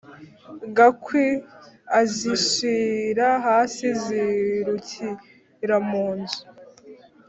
gakwi azishira hasi zirukira mu nzu